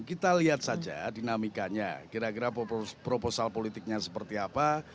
kita lihat saja dinamikanya kira kira proposal politiknya seperti apa